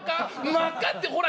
「『まっか』ってほら